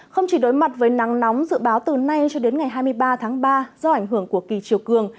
không chỉ đối mặt với nắng nóng dự báo từ nay cho đến ngày hai mươi ba tháng ba do ảnh hưởng của kỳ chiều cường